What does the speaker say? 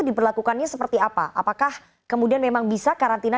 diberlakukannya seperti apa apakah kemudian memang bisa karantina